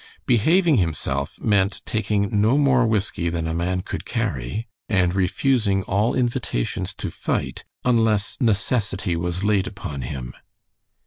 "Behaving himself" meant taking no more whiskey than a man could carry, and refusing all invitations to fight unless "necessity was laid upon him."